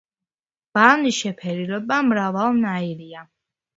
ბალნის შეფერილობა მრავალნაირია.